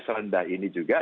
selendah ini juga